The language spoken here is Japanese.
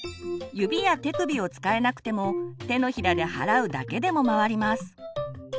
指や手首を使えなくても手のひらで払うだけでも回ります。